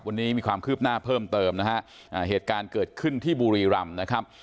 วันนี้มีความคืบหน้าเพิ่มเติมนะฮะอ่าเหตุการณ์เกิดขึ้นที่บุรีรำนะครับ